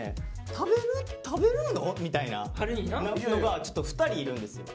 「食べるの？」みたいな人がちょっと２人いるんですよ。